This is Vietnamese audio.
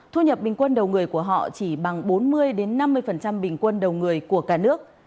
thu nhập bình quân đầu người của họ chỉ bằng bốn mươi năm mươi bình quân đầu người của cả nước